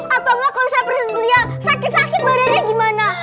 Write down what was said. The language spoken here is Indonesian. atau kalau misalnya prinsip lia sakit sakit badannya gimana